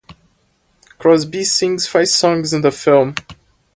Crosby sings five songs in the film.